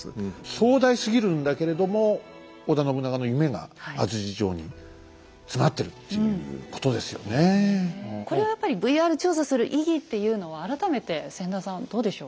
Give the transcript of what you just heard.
壮大すぎるんだけれどもこれはやっぱりＶＲ調査する意義っていうのは改めて千田さんどうでしょう。